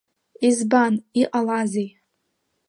Избан, иҟалазеи?